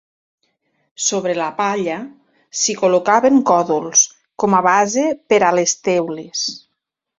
Sobre la palla s'hi col·locaven còdols com a base per a les teules.